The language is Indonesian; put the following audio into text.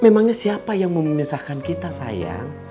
memangnya siapa yang memisahkan kita sayang